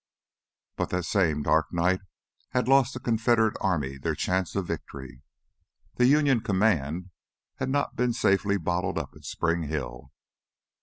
But that same dark night had lost the Confederate Army their chance of victory. The Union command had not been safely bottled up at Spring Hill.